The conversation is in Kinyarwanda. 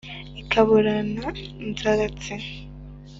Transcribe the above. ikaburana nzaratsi